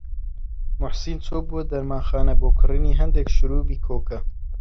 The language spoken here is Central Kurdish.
موحسین چوو بۆ دەرمانخانە بۆ کڕینی هەندێک شرووبی کۆکە.